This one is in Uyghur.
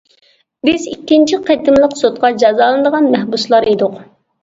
بىز ئىككىنچى قېتىملىق سوتقا جازالىنىدىغان مەھبۇسلار ئىدۇق.